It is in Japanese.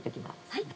はい！